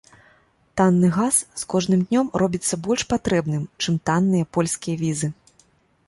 Танны газ з кожным днём робіцца больш патрэбным, чым танныя польскія візы.